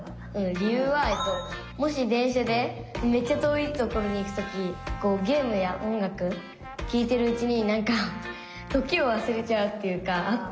理由はもし電車でめっちゃ遠い所に行くときこうゲームや音楽聞いてるうちになんか時をわすれちゃうっていうか。